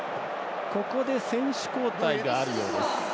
選手交代があるようです。